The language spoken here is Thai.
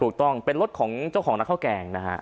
ถูกต้องเป็นรถของเจ้าของร้านข้าวแกงนะฮะ